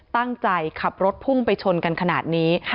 ตั้งใจขับรถพุ่งไปชนกันขนาดนี้